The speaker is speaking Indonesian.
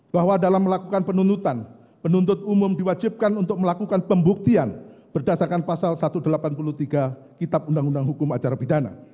bahwa dalam melakukan penuntutan penuntut umum diwajibkan untuk melakukan pembuktian berdasarkan pasal satu ratus delapan puluh tiga kitab undang undang hukum acara pidana